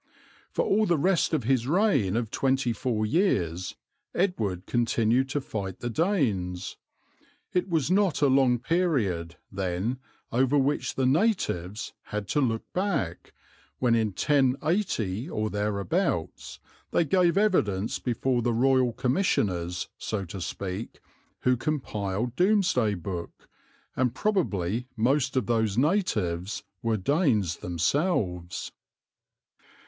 For all the rest of his reign of twenty four years Edward continued to fight the Danes. It was not a long period, then, over which the "natives" had to look back, when in 1080 or thereabouts, they gave evidence before the Royal Commissioners, so to speak, who compiled Domesday Book, and probably most of those "natives" were Danes themselves.